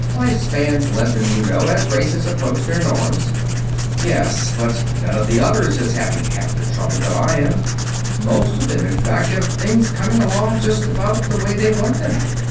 Life spans lengthen, you know, as races approach their norms." "Yes. But none of the others is having half the trouble that I am. Most of them, in fact, have things coming along just about the way they want them.